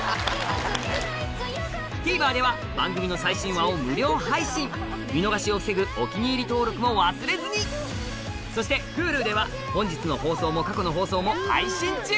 ＴＶｅｒでは番組の最新話を無料配信見逃しを防ぐ「お気に入り」登録も忘れずにそしてＨｕｌｕでは本日の放送も過去の放送も配信中！